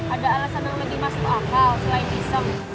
ada alasan kamu dimasuk akal selain diseng